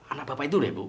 anak bapak itu deh bu